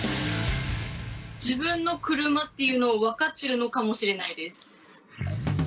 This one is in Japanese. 自分の車っていうのを分かってるのかもしれないです。